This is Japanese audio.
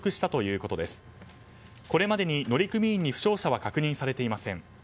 これまでに乗組員に負傷者は確認されていません。